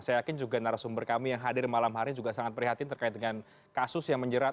saya yakin juga narasumber kami yang hadir malam hari juga sangat prihatin terkait dengan kasus yang menjerat